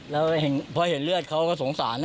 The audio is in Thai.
แล้วพอเห็นเลือดเขาก็สงสารนะ